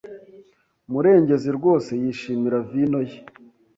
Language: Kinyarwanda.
Murengezi rwose yishimira vino ye.